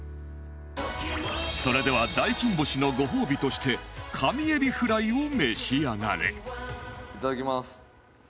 それでは大金星のご褒美として神えびフライを召し上がれいただきます。